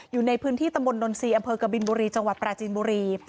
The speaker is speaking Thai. อยู่ในพื้นที่ตะมนต์ดนซีอกบินบุรีจังหวัดปราจินบุรี